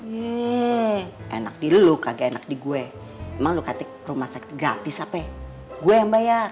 yee enak di lu kagak enak di gue emang lu katik rumah sakit gratis apa ya gue yang bayar